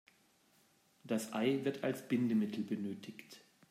Das Ei wird als Bindemittel benötigt.